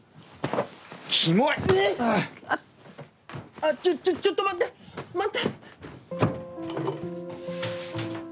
あっちょちょっと待って待って！